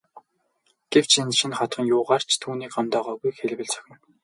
Гэвч энэ шинэ хотхон түүнийг юугаар ч гомдоогоогүйг хэлбэл зохино.